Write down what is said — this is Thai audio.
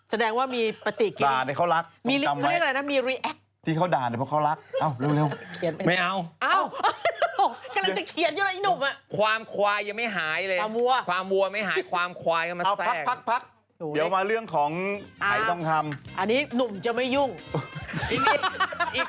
แสดงว่ามีปฏิกิจอยู่ที่เขาด่าแบบเขารัก